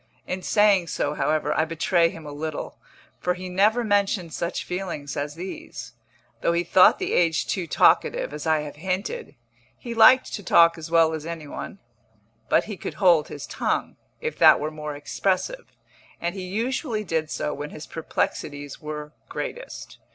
In saying so, however, I betray him a little, for he never mentioned such feelings as these. Though he thought the age too talkative, as I have hinted, he liked to talk as well as any one; but he could hold his tongue, if that were more expressive, and he usually did so when his perplexities were greatest.